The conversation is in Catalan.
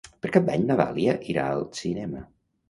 Per Cap d'Any na Dàlia irà al cinema.